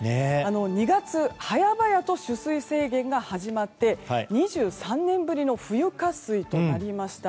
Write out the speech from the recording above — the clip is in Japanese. ２月、早々と取水制限が始まって２３年ぶりの冬渇水となりました。